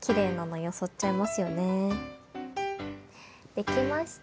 できました